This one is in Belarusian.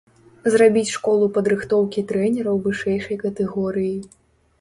Зрабіць школу падрыхтоўкі трэнераў вышэйшай катэгорыі.